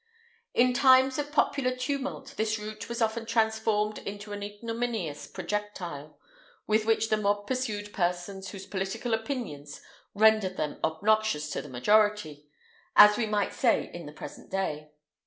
In times of popular tumult this root was often transformed into an ignominious projectile, with which the mob pursued persons whose political opinions rendered them obnoxious to the majority, as we might say in the present day.